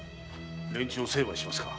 連中を成敗しますか？